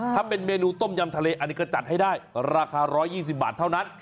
ถ้าเป็นเมนูต้มยำทะเลอันนี้ก็จัดให้ได้ราคา๑๒๐บาทเท่านั้น